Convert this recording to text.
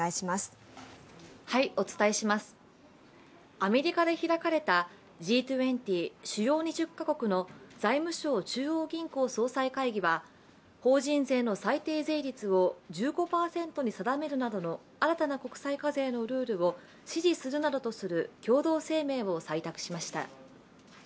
アメリカで開かれたＧ２０＝主要２０か国の財務相・中央銀行総裁会議は法人税の最低税率を１５％に定めるなどの新たな国際課税のルールを支持するなどとする共同声明を採択しました。